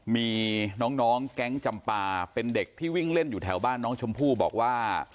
มีน้องแก๊งจำปาเป็นเด็กที่วิ่งเล่นอยู่แถวบ้านน้องชมพู่บอกว่า